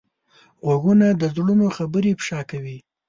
غوږونه د زړونو خبرې افشا کوي